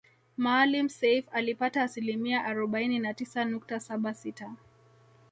Maalim Seif alipata asilimia arobaini na tisa nukta saba sita